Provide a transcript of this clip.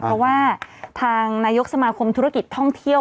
เพราะว่าทางนายกสมาคมธุรกิจท่องเที่ยว